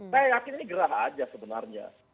saya yakin ini gerah aja sebenarnya